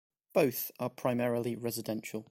Both are primarily residential.